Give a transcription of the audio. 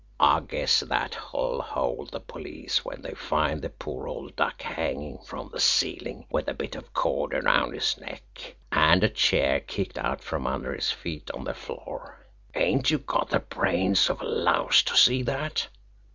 I guess that'll hold the police when they find the poor old duck hanging from the ceiling, with a bit of cord around his neck, and a chair kicked out from under his feet on the floor. Ain't you got the brains of a louse to see that?"